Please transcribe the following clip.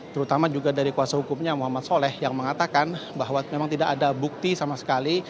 terutama juga dari kuasa hukumnya muhammad soleh yang mengatakan bahwa memang tidak ada bukti sama sekali